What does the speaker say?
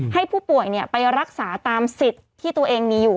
ให้ผู้ป่วยไปรักษาตามสิทธิ์ที่ตัวเองมีอยู่